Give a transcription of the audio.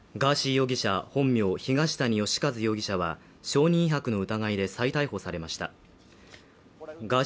容疑者本名東谷義和容疑者は証人威迫の疑いで再逮捕されました。